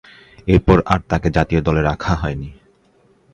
এরপর আর তাকে জাতীয় দলে রাখা হয়নি।